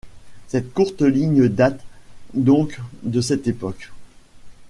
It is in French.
Cette courte ligne date donc de cette époque.